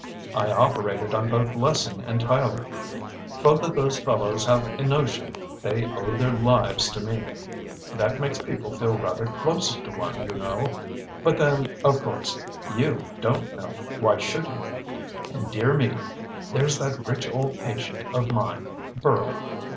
I operated on both Lessing and Tyler. Both of those fellows have a notion they owe their lives to me. That makes people feel rather close to one, you know. But then, of course, you don't know why should you? And, dear me there's that rich old patient of mine, Burley.